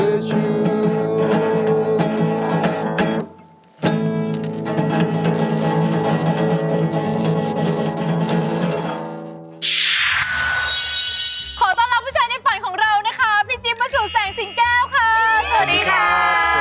ขอต้อนรับผู้ชายในฝันของเรานะคะพี่จิ๊บมาสู่แสงสิงแก้วค่ะสวัสดีค่ะ